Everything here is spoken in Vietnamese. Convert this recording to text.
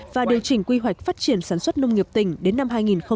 và điều chỉnh quy hoạch phát triển sản xuất nông nghiệp tỉnh đến năm hai nghìn ba mươi